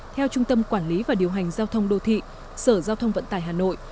theo trung tâm quản lý và điều hành giao thông đô thị sở giao thông vận tải hà nội